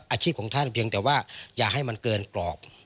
อาชีพของท่านเพียงแต่ว่าอย่าให้มันเกินกรอบ